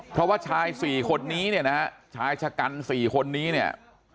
เพราะว่าชาย๔คนนี้เนี่ยนะฮะชายชะกัน๔คนนี้เนี่ย